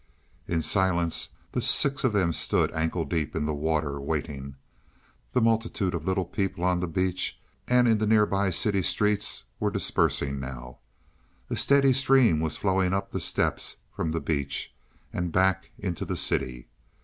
In silence the six of them stood ankle deep in the water waiting. The multitude of little people on the beach and in the nearby city streets were dispersing now. A steady stream was flowing up the steps from the beach, and back into the city.